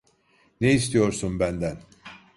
Ne istiyorsun benden?